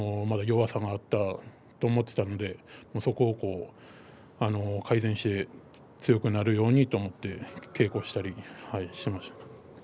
落ちたことも十分に自分に弱さがあったと思っていたのでそこを改善して強くなるようにと思って稽古をしたりしていました。